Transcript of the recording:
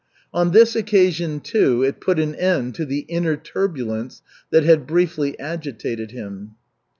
On this occasion, too, it put an end to the inner turbulence that had briefly agitated him.